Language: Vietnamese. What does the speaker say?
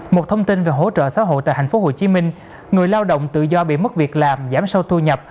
một thông tin về hỗ trợ xã hội tại tp hcm người lao động tự do bị mất việc làm giảm sâu thu nhập